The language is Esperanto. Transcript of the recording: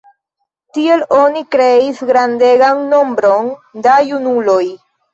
Tiel oni kreis grandegan nombron da junuloj.